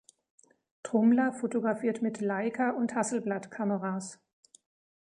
Trumler fotografiert mit Leica- und Hasselblad-Kameras.